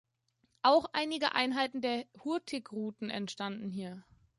Auch einige Einheiten der Hurtigruten entstanden hier.